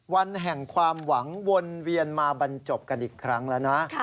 วันแห่งความหวังวนเวียนมาบรรจบกันอีกครั้งแล้วนะ